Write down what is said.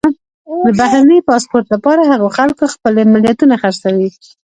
د بهرني پاسپورټ لپاره هغو خلکو خپلې ملیتونه خرڅوي.